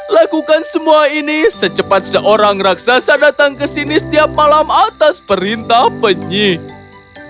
lakukan semua ini secepat seorang raksasa datang ke sini setiap malam atas perintah penyidik